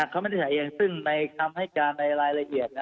เขาวินิจฉัยเองซึ่งในคำให้การในรายละเอียด